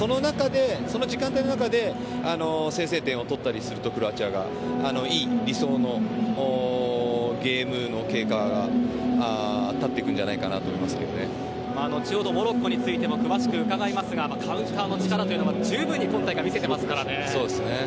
その時間帯の中でクロアチアが先制点を取ったりするといい、理想のゲーム経過になると後ほどモロッコについても詳しく伺いますがカウンターの力というのは十分に今大会、見せてますからね。